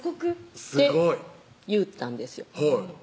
すごいって言うたんですよ